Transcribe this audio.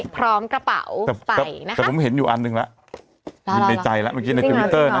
พร้อมกระเป๋าไปนะคะแต่ผมเห็นอยู่อันหนึ่งละในใจละเมื่อกี้ในทวิตเตอร์นะ